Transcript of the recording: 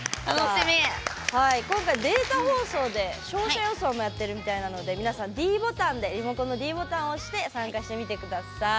今回、データ放送で勝者予想もやってるみたいなので皆さんリモコンのｄボタンを押して参加してみてください。